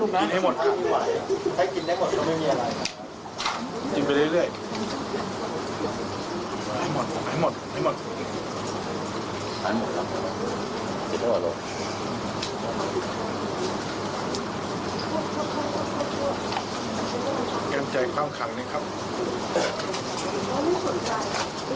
ก็แผลหืทผังอมนิดหนึ่งครับใช่